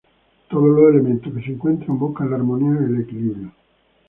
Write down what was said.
Todos los elementos que se encuentran buscan la armonía y el equilibrio.